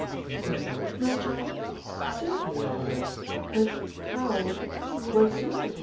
"Some work, my child? certainly I will, but how what sort of work?"